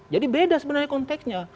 jadi beda sebenarnya konteksnya